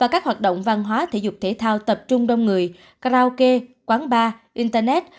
các hoạt động văn hóa thể dục thể thao tập trung đông người karaoke quán bar internet